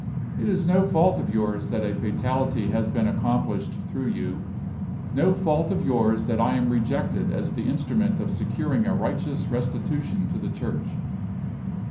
It is no fault of yours that a fatality has been accomplished through you no fault of yours that I am rejected as the instrument of securing a righteous restitution to the Church.